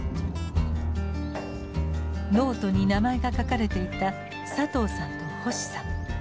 ノートに名前が書かれていた佐藤さんと星さん。